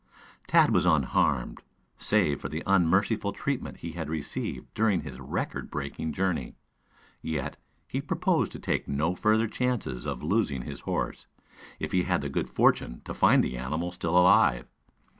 Tad was unharmed, save for the unmerciful treatment he had received during his record breaking journey. Yet, he proposed to take no further chances of losing his horse, if he had the good fortune to find the animal still alive.